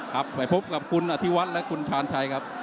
ครับไปพบกับคุณอธิวัฒน์และคุณชาญชัยครับ